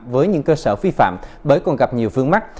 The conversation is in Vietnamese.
với những cơ sở vi phạm bởi còn gặp nhiều vương mắt